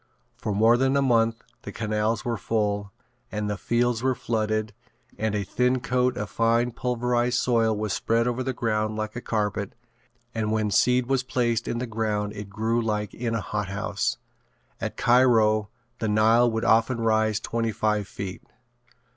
For more than a month the canals were full, and the fields were flooded and a thin coat of fine pulverized soil was spread over the ground like a carpet and when seed was placed in the ground it grew like in a hothouse. At Cairo the Nile would often rise twenty five feet.